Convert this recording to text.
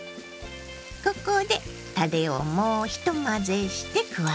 ここでたれをもう一混ぜして加えます。